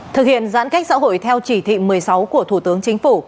thực hiện giãn cách xã hội theo chỉ thị một mươi sáu của thủ tướng chính phủ